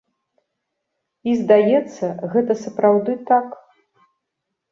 І, здаецца, гэта сапраўды так.